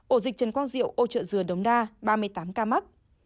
ổ dịch trần quang diệu ô trợ dừa đống đa ba mươi tám ca mắc